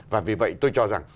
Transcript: và vì vậy tôi cho rằng